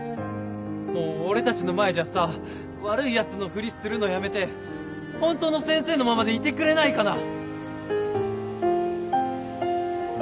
もう俺たちの前じゃさ悪いヤツのふりするのやめて本当の先生のままでいてくれないかな？